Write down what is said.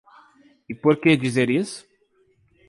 E por que dizer isso?